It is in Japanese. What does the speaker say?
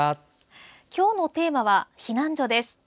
今日のテーマは避難所です。